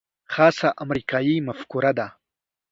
خاصه امریکايي مفکوره ده.